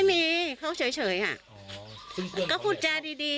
นี่เพราะว่าเขามาหาใครครับ